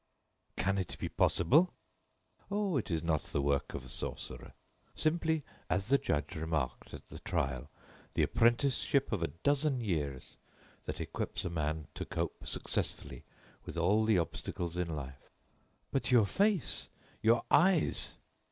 "Can it be possible?" "Oh, it is not the work of a sorcerer. Simply, as the judge remarked at the trial, the apprenticeship of a dozen years that equips a man to cope successfully with all the obstacles in life." "But your face? Your eyes?"